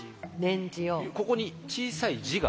ここに小さい「じ」が。